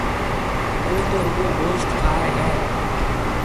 او تو رُگو گوشت کائي هيَ۔